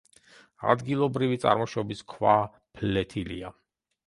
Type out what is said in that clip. ადგილობრივი წარმოშობის ქვა ფლეთილია.